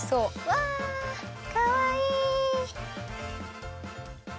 わあかわいい。